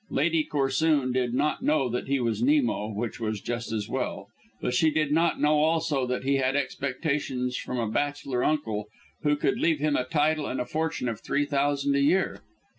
Lady Corsoon did not know that he was Nemo, which was just as well; but she did not know also that he had expectations from a bachelor uncle who could leave him a title and a fortune of three thousand a year.